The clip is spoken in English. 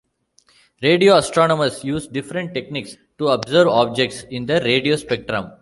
Radio astronomers use different techniques to observe objects in the radio spectrum.